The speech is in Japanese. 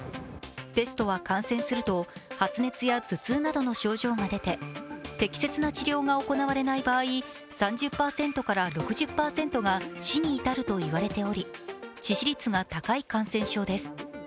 ペストは感染すると発熱や頭痛などの症状が出て適切な治療が行われない場合、３０％から６０％が死に至るといわれており、致死率が高い感染症です。